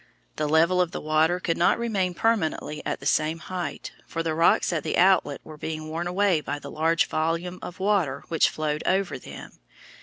The level of the water could not remain permanently at the same height, for the rocks at the outlet were being worn away by the large volume of water which flowed over them.